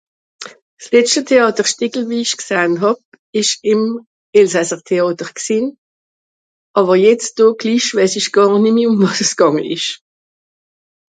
S'letschte teàterstìckel, wie ìch gsahn hàb ìsch ìm elsasser Teàter gsìnn. Àwer jetz do glich weis ich gàr nemmi ùm wàs es gànge ìsch.